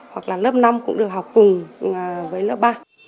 hoặc là lớp năm cũng được học cùng với lớp ba